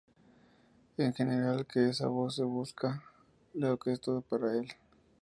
En general, que esa voz que busca lo es todo para el.